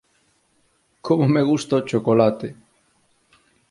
Como me gusta o chocolate!